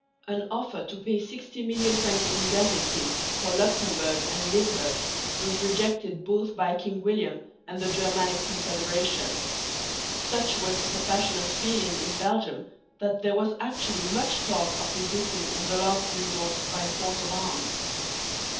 An offer to pay sixty million francs indemnity for Luxemburg and Limburg was rejected both by King William and the Germanic Confederation. Such was the passionate feeling in Belgium that there was actually much talk of resisting in the last resort by force of arms.